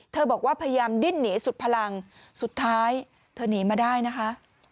บอกว่าพยายามดิ้นหนีสุดพลังสุดท้ายเธอหนีมาได้นะคะ